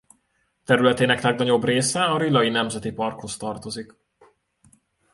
Területének legnagyobb része a Rilai Nemzeti Parkhoz tartozik.